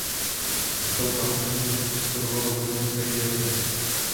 Manželka ho celý život podporovala v hudební kariéře.